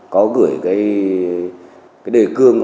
có gửi cái đề cương